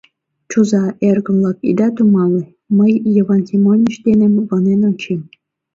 Чуза, эргым-влак, ида туманле: мый Йыван Семоныч дене мутланен ончем.